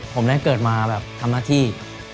ผมได้เกิดมาแบบทำหน้าที่